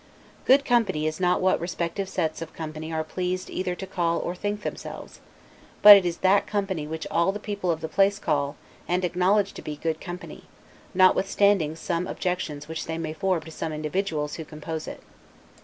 Good company is not what respective sets of company are pleased either to call or think themselves, but it is that company which all the people of the place call, and acknowledge to be, good company, notwithstanding some objections which they may form to some of the individuals who compose it.